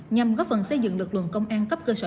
nhằm góp phần xây dựng lực lượng công an cấp cơ sở